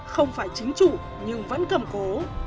không phải chính chủ nhưng vẫn cầm cố